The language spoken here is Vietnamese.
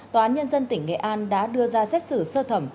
tòa án nhân dân tỉnh nghệ an đã đưa ra xét xử sơ thẩm